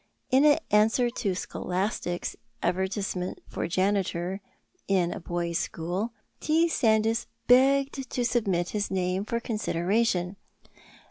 In answer to "Scholastic's" advertisement for janitor in a boys' school, T. Sandys begged to submit his name for consideration.